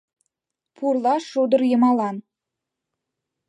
Пурла шулдыр йымалан